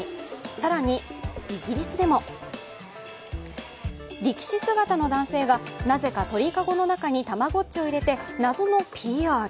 更にイギリスでも力士姿の男性がなぜか鳥籠の中にたまごっちを入れて、謎のＰＲ。